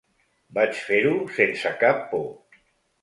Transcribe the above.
Vaig fer-ho sense cap por.